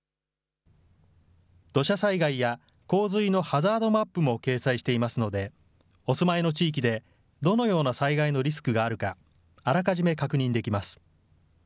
ハザードマップも掲載していますので、お住まいの地域でどのような災害のリスクがあるか、あらかじめ確認できます。